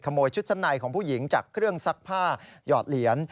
ชุดชั้นในของผู้หญิงจากเครื่องซักผ้าหยอดเหรียญ